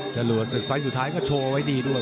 จรวดศึกไฟล์สุดท้ายก็โชว์ไว้ดีด้วย